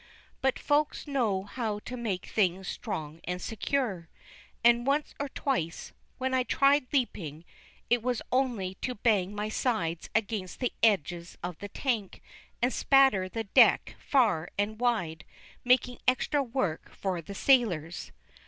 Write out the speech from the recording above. But Folks know how to make things strong and secure, and once or twice, when I tried leaping, it was only to bang my sides against the edges of the tank, and spatter the deck far and wide, making extra work for the sailors.